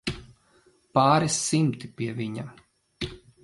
Pāris simti, pie viņa.